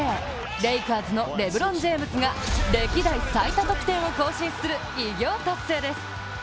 レイカーズのレブロン・ジェームズが歴代最多得点を更新する偉業達成です。